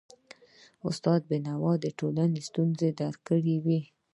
استاد بينوا د ټولنې ستونزي درک کړی وي.